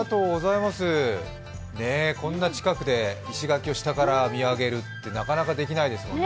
こんな近くで石垣を下から見上げるってなかなかできないですもんね。